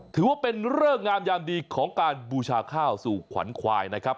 ถือว่าเป็นเริกงามยามดีของการบูชาข้าวสู่ขวัญควายนะครับ